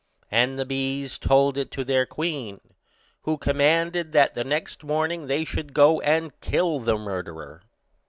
And the bees told it to their queen, who commanded that the next morning they should go and kill the murderer.